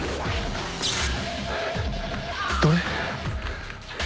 どれ？